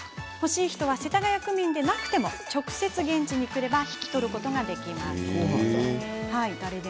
欲しい人は世田谷区民でなくても直接、現地に来れば引き取ることができます。